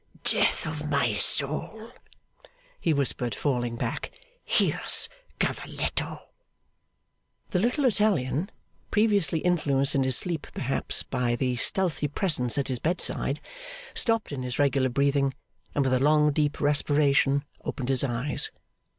'Death of my soul!' he whispered, falling back, 'here's Cavalletto!' The little Italian, previously influenced in his sleep, perhaps, by the stealthy presence at his bedside, stopped in his regular breathing, and with a long deep respiration opened his eyes.